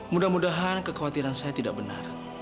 mudah mudahan kekhawatiran saya tidak benar